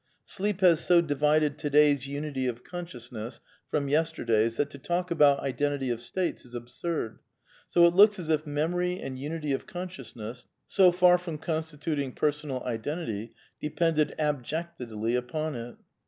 Sleep has so divided to day's *^ unity of consciousness " from yesterday's that to .talk about identity of states is absurd. So it looks as if hnemory and imity of consciousness, so far from con stituting personal identity depended abjectedly upon it.